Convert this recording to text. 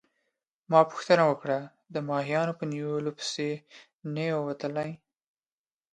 ما پوښتنه وکړه: د ماهیانو په نیولو پسي نه يې وتلی؟